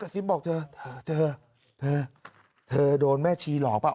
สิโด่นแม่ชีหลอกป่ะ